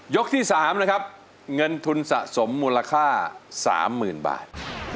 ที่๓นะครับเงินทุนสะสมมูลค่า๓๐๐๐บาท